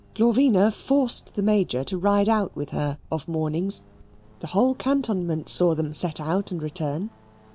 Glorvina forced the Major to ride with her of mornings. The whole cantonment saw them set out and return.